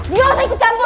dia usah ikut campur